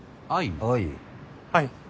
はい。